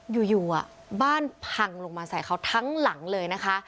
อยู่บ้านพังลงมาใส่เขาทั้งหลังเลยนะคะ